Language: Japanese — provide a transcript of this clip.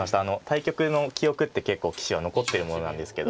対局の記憶って結構棋士は残ってるものなんですけど。